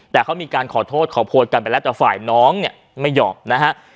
แต่เขามีการขอโทษขอโพยกันไปแล้วแต่ฝ่ายน้องเนี่ยไม่ยอมนะฮะ